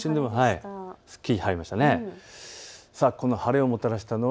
すっきり晴れましたね。